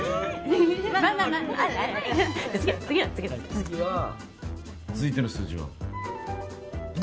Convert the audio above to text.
次は続いての数字は５！